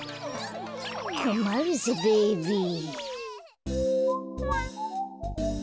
こまるぜベイビー。